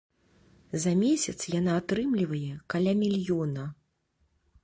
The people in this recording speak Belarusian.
За месяц яна атрымлівае каля мільёна.